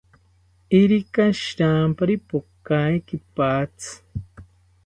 Irika shirampari pokae kipatzi